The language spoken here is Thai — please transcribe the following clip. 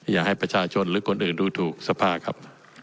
อยากให้ประชาชนหรือคนอื่นดูถูกสภาครับ